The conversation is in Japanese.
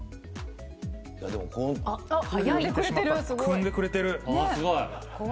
くんでくれてる。